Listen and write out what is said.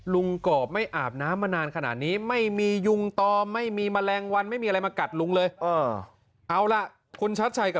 ลุงกอบไม่อาบน้ำมานานขนาดนี้ไม่มียุงตอบไม่มีมแมลงวัน